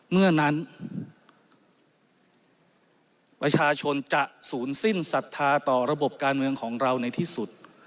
เมื่อนั้นประชาชนจะศูนย์สิ้นศรัทธาต่อระบบการเมืองของเราในที่สุด